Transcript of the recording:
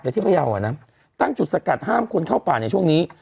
อย่างที่พระเยาวะนะตั้งจุดสกัดห้ามคนเข้าปากในช่วงนี้